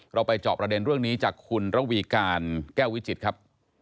เราไปเจาะประเด็นเรื่องนี้จากคุณระวีการแก้ววิจิตรครับ